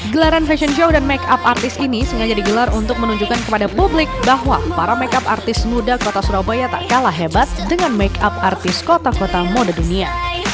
gelaran fashion show dan make up artis ini sengaja digelar untuk menunjukkan kepada publik bahwa para makeup artis muda kota surabaya tak kalah hebat dengan make up artis kota kota mode dunia